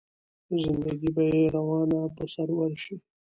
زنده ګي به يې روانه په سرور شي